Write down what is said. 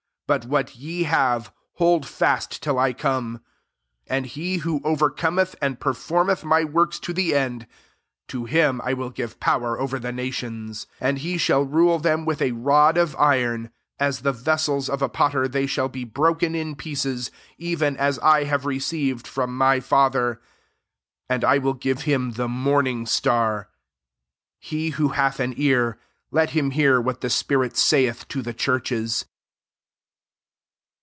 25 But what ye have, hold fast till I come. 26 And he who overcometh, and performeth my works to the end, to him I will give power over the nations ; 27 and he shall rule them with a rod of iron; as the vessels of a potter they shall be broken in pieces ; even as I have received from my Father. 28 And I will give him the morning star.' 29 He who hath an ear, let him hear what the spirit saith to the churches.